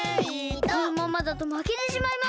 このままだとまけてしまいます！